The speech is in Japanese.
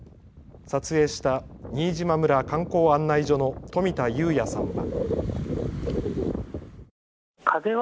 撮影した新島村観光案内所の富田裕也さんは。